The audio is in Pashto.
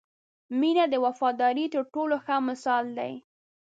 • مینه د وفادارۍ تر ټولو ښه مثال دی.